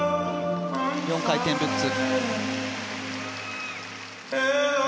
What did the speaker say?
４回転ルッツ。